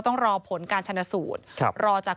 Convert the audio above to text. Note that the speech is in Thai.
ของมันตกอยู่ด้านนอก